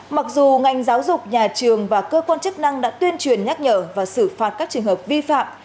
mặc dù ngành giáo dục nhà trường và cơ quan chức năng đã tuyên truyền nhắc nhở và xử phạt các trường hợp vi phạm